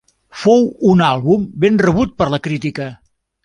Fou un àlbum ben rebut per la crítica.